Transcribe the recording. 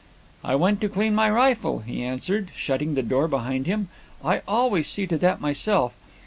'I went to clean my rifle,' he answered, shutting the door behind him. 'I always see to that myself.